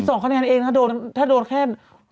โอ้ย๑๒คะแนนเองนะโดนถ้าโดนแค่